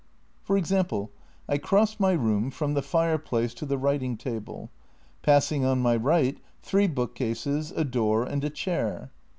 For example, I cross my room from the fireplace to the writing table, passing on my right three book cases, a door, and a chair.